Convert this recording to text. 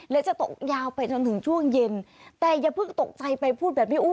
และจะตกยาวไปจนถึงช่วงเย็นแต่อย่าเพิ่งตกใจไปพูดแบบนี้